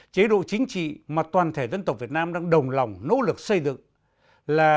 chế độ chính trị mà toàn thể dân tộc việt nam đang đồng lòng nỗ lực xây dựng là